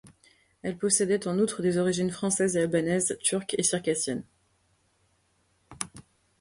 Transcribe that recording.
Elle possédait en outre des origines françaises et albanaises, turques, et circassiennes.